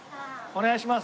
お願いします。